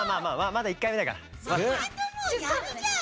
まさともやるじゃん。